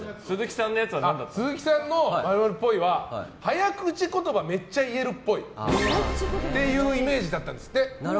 鈴木さんの○○っぽいは早口言葉めっちゃ言えるっぽいっていうイメージだったと。